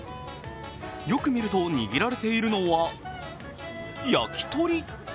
よく見ると、握られているのは焼き鳥。